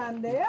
ah kian deh ya